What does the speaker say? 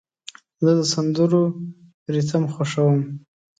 زه د سندرو ریتم خوښوم.